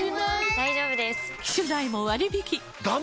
大丈夫です！